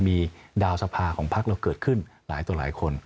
มีดาวสภาของพักเราเกิดขึ้นหลายต่อหลายคน